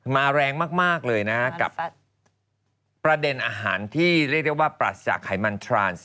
แรงมากเลยนะกับประเด็นอาหารที่เรียกได้ว่าปรัสจากไขมันทราน